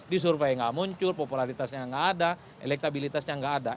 di survei nggak muncul popularitasnya nggak ada elektabilitasnya nggak ada